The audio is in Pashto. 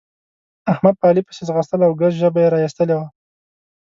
احمد په علي پسې ځغستل او ګز ژبه يې را اېستلې وه.